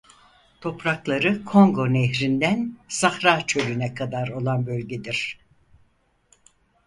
Toprakları Kongo Nehri'nden Sahra Çölü'ne kadar olan bölgedir.